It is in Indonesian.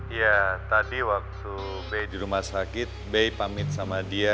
iya tadi waktu be di rumah sakit be pamit sama dia